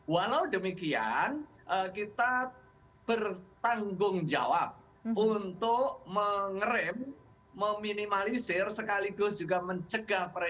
walau demikian kita bertanggung jawab untuk mengerem meminimalisir sekaligus juga mencegah